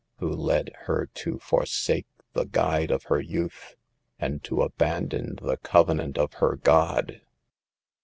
who led her to forsake the guide of her youth, and to abandon the cove nant of her God."